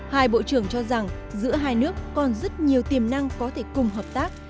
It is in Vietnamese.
hai bộ trưởng cho rằng giữa hai nước còn rất nhiều tiềm năng có thể cùng hợp tác